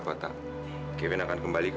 mas kevin aku ingin tahu